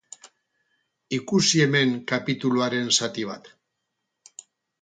Ikusi hemen kapituluaren zati bat.